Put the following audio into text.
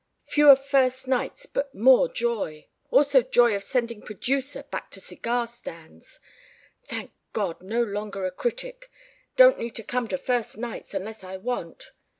... Fewer first nights but more joy ... also joy of sending producers back to cigar stands. ... Thank God, no longer a critic ... don't need to come to first nights unless I want